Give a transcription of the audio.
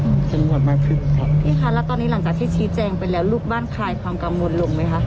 สำรวจมากขึ้นครับพี่คะแล้วตอนนี้หลังจากที่ชี้แจงไปแล้วลูกบ้านคลายความกังวลลงไหมคะ